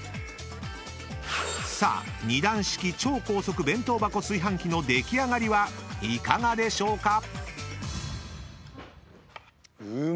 ［さあ２段式超高速弁当箱炊飯器の出来上がりはいかがでしょうか？］